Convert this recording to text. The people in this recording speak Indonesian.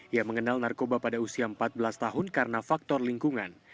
ia mengenal narkoba pada usia empat belas tahun karena faktor lingkungan